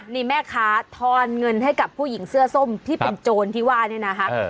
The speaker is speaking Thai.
นี่แม่ค้าทอนเงินให้กับผู้หญิงเสื้อส้มที่เป็นโจรที่ว่านี่นะคะ